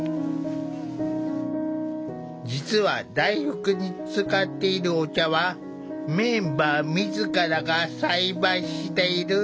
実は大福に使っているお茶はメンバー自らが栽培している。